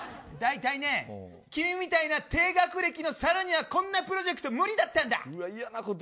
だいたいね、君みたいな低学歴の猿にはこんなプロジェクト無理だったんだ。